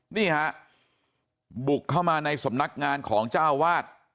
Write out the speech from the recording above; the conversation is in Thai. นี่ฮะบุกเข้ามาในสำนักงานของเจ้าวาด